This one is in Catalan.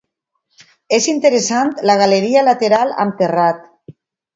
És interessant la galeria lateral amb terrat.